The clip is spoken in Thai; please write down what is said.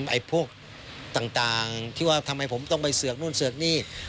ไอ้พวกต่างที่ว่าทำไมผมต้องไปเสือกนู่นเสือกนี่